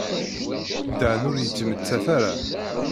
Dan ur yettmettat ara.